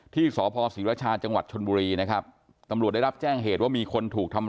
ที่สพศรีรชาจังหวัดชนบุรีนะครับตำรวจได้รับแจ้งเหตุว่ามีคนถูกทำร้าย